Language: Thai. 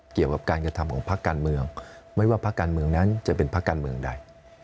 เกี่ยวกับการกระทำของพักการเมืองไม่ว่าพักการเมืองนั้นจะเป็นภาคการเมืองใด